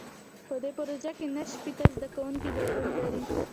په دې پروژه کې نهه شپېته زده کوونکي ګډون لري.